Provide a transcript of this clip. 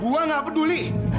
gue gak peduli